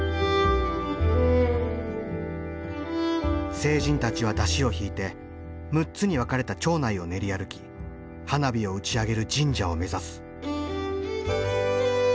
成人たちは山車を引いて６つに分かれた町内を練り歩き花火を打ち上げる神社を目指す。